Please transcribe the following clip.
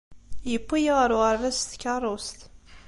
Yewwi-iyi ɣer uɣerbaz s tkeṛṛust.